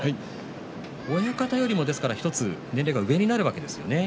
親方よりも１つ年齢が上になるわけですね。